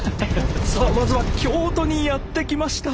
さあまずは京都にやって来ました。